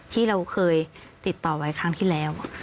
ที่เราเคยติดต่อไว้ครั้งที่แล้ว